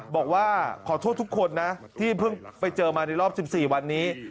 บอกว่าขอโทษทุกคนนะที่เพิ่งไปเจอมาในรอบ๑๔วันนี้